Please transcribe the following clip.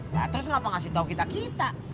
lah terus ngapa ngasih tau kita kita